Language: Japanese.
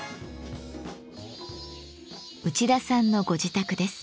内田さんのご自宅です。